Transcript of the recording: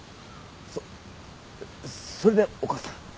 そっそれでお母さん？